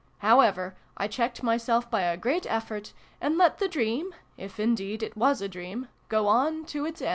' However I checked myself by a great effort, and let the dream (if indeed it was a dream) go on to its end.